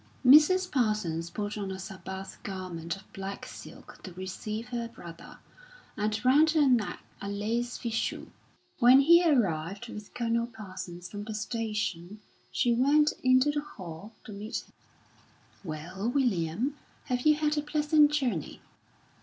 Mrs. Parsons put on a Sabbath garment of black silk to receive her brother, and round her neck a lace fichu. When he arrived with Colonel Parsons from the station, she went into the hall to meet him. "Well, William, have you had a pleasant journey?"